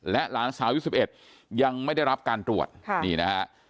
และหลานสามยี่สิบเอ็ดยังไม่ได้รับการตรวจค่ะนี่นะฮะ